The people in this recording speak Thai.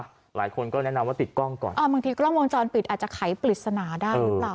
หลายคนก็แนะนำว่าติดกล้องก่อนอ่าบางทีกล้องวงจรปิดอาจจะไขปริศนาได้หรือเปล่า